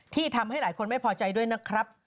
ที่ทำให้หลายคนไม่พอใจด้วยนะครับ